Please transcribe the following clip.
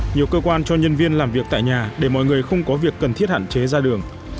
nhiều cơ quan cho nhân viên làm việc tại nhà để mọi người không có việc cần thiết hạn chế ra đường